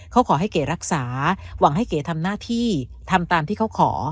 เขาขอให้เก๋รักษาหวังให้เก๋ทำหน้าที่ทำตามที่เขาขอ